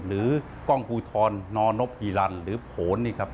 หรือกล้องภูทรนอนพิรรณหรือโผล่น